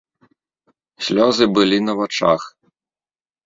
Слёзы былі на вачах.